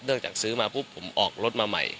เนื่องจากซื้อมาผู้ผมออกรถมาใหม่